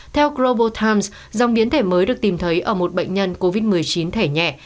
theo global time dòng biến thể mới được tìm thấy ở một bệnh nhân covid một mươi chín thẻ nhẹ